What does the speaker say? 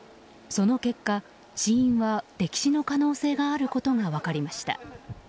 その結果、死因は溺死の可能性があることが分かりました。